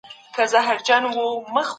هیڅ مذهب د بل مذهب د سپکاوي اجازه نه ورکوي.